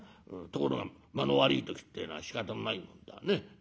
ところが間の悪い時ってえのはしかたのないもんだね。